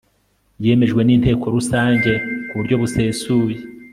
yemejwe n inteko rusange ku buryo busesuye